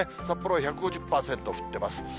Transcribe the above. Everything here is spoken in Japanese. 札幌は１５０％降ってます。